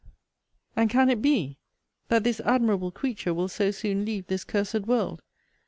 And can it be, that this admirable creature will so soon leave this cursed world!